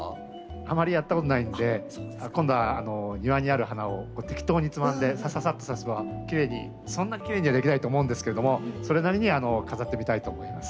あまりやったことないので今度は庭にある花を適当につまんでさささっと挿せばきれいにそんなきれいにはできないと思うんですけれどもそれなりに飾ってみたいと思います。